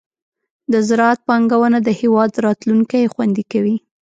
د زراعت پانګونه د هېواد راتلونکې خوندي کوي.